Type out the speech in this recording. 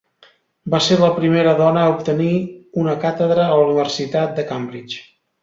Va ser la primera dona a obtenir una càtedra a la Universitat de Cambridge.